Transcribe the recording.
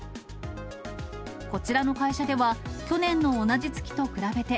こちらの会社では、去年の同じ月と比べて、